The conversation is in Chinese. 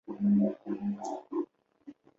山阴本线。